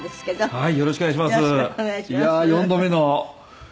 はい。